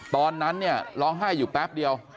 ตอนนั้นเนี่ยร้องไห้อยู่แป๊บเดียว